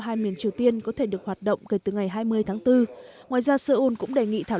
hai miền triều tiên có thể được hoạt động kể từ ngày hai mươi tháng bốn ngoài ra seoul cũng đề nghị thảo